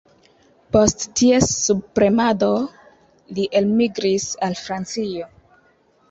Post ties subpremado, li elmigris al Francio.